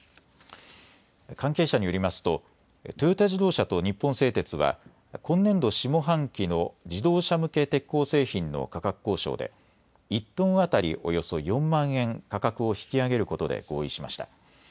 関係者によりますとトヨタ自動車と日本製鉄は今年度下半期の自動車向け鉄鋼製品の価格交渉で１トン当たりおよそ４万円、価格を引き上げることで合意しました。